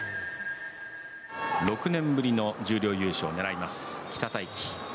６年ぶりの十両優勝をねらいます、北太樹。